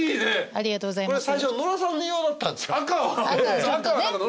ありがとうございます。